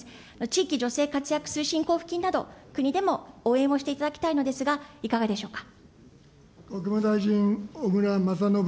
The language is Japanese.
地域女性活躍推進交付金など、国でも応援をしていただきたいのですが、いかがでしょうか。